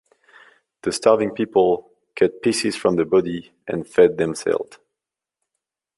The starving people cut pieces from the body and fed themselves.